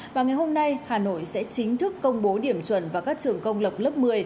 và ngày hôm nay hà nội sẽ chính thức công bố điểm chuẩn vào các trường công lập lớp một mươi